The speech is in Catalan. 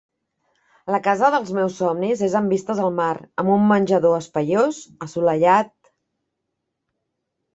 La casa dels meus somnis és amb vistes al mar, amb un menjador espaiós, assolellat...